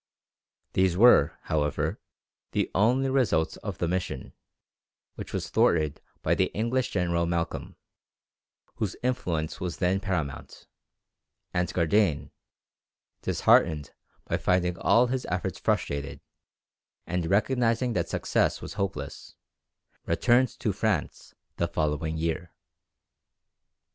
These were, however, the only results of the mission, which was thwarted by the English General Malcolm, whose influence was then paramount; and Gardane, disheartened by finding all his efforts frustrated, and recognizing that success was hopeless, returned to France the following year.